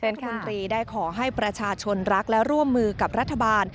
รัฐมนตรีได้ขอให้ประชาชนรักและร่วมมือกับรัฐบาล